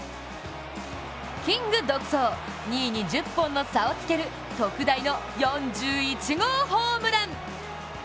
キング独走、２位に１０本の差をつける特大の４１号ホームラン。